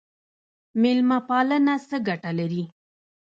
میلمه پالنه څه ګټه لري؟